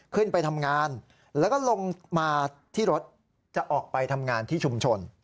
ขึ้นไปทำงานแล้วก็ลงมาที่รถจะออกไปทำงานที่ชุมชน